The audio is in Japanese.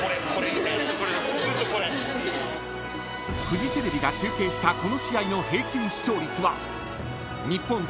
［フジテレビが中継したこの試合の平均視聴率は］